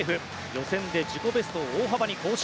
予選で自己ベストを大幅に更新。